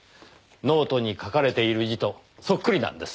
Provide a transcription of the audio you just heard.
ノートに書かれている字とそっくりなんです。